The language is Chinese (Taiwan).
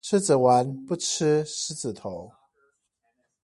獅子丸不吃獅子頭